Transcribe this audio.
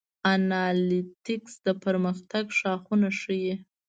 انالیتکس د پرمختګ شاخصونه ښيي.